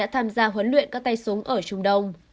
tham gia huấn luyện các tay súng ở trung đông